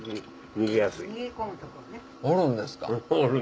おるんですか。